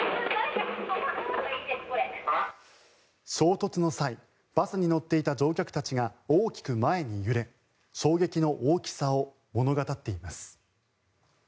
衝突の際、バスに乗っていた乗客たちが大きく前に揺れ衝撃の大きさを物語っています。